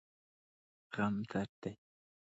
غم درد دی.